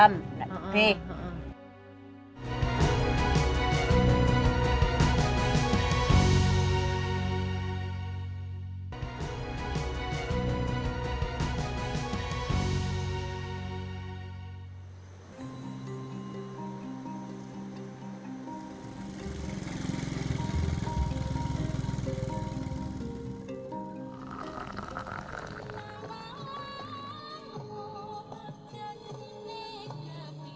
ini tidak ada apa apa